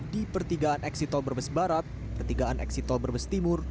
di pertigaan eksitol brebes barat pertigaan eksitol brebes timur